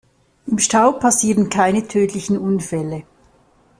Im Stau passieren keine tödlichen Unfälle.